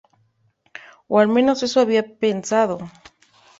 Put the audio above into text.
O al menos eso habían pensado.